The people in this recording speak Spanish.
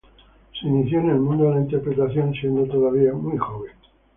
Se inició en el mundo de la interpretación siendo todavía muy joven.